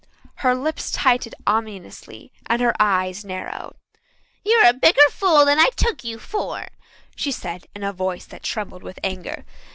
Her lips tightened ominously and her eyes narrowed. "You're a bigger fool than I took you for," she said in a voice that trembled with anger.